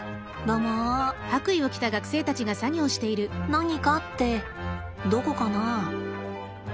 「何か」ってどこかな。